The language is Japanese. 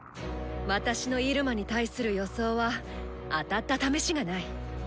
私のイルマに対する予想は当たったためしがない。